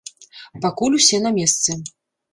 Пакуль усе на месцы.